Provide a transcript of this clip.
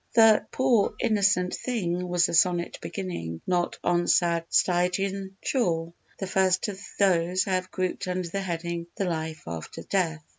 The "poor innocent thing" was the sonnet beginning "Not on sad Stygian shore," the first of those I have grouped under the heading "The Life after Death."